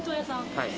はい。